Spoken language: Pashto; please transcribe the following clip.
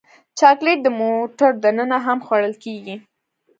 چاکلېټ د موټر دننه هم خوړل کېږي.